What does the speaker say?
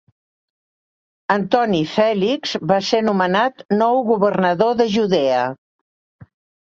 Antoni Fèlix va ser nomenat nou governador de Judea.